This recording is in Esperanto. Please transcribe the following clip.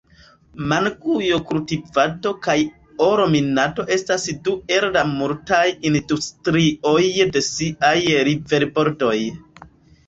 Mangujo-kultivado kaj oro-minado estas du el la multaj industrioj de siaj riverbordoj.